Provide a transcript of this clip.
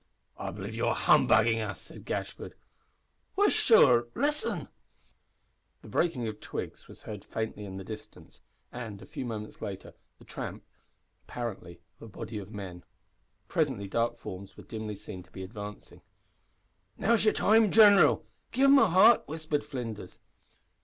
"I believe you are humbugging us," said Gashford. "Whisht, sor listen!" The breaking of twigs was heard faintly in the distance, and, a few moments later, the tramp, apparently, of a body of men. Presently dark forms were dimly seen to be advancing. "Now's your time, gineral! Give it 'em hot," whispered Flinders.